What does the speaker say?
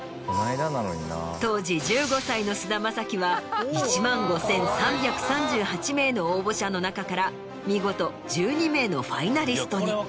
当時１５歳の菅田将暉は１万５３３８名の応募者の中から見事１２名のファイナリストに。